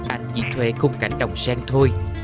anh chỉ thuê khung cảnh đồng sen thôi